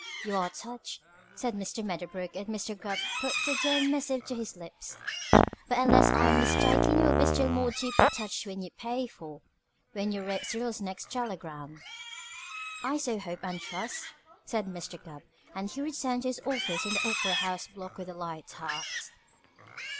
"You are touched," said Mr. Medderbrook as Mr. Gubb put the dear missive to his lips, "but unless I am mistaken you will be still more deeply touched when you pay for when you read Syrilla's next telegram." "I so hope and trust," said Mr. Gubb, and he returned to his office in the Opera House Block with a light heart.